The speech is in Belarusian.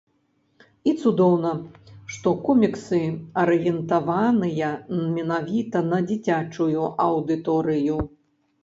І цудоўна, што коміксы арыентаваныя менавіта на дзіцячую аўдыторыю.